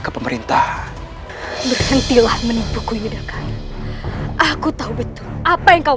kepemerintahan hentilah menipu yudhokara aku tahu betul apa yang kau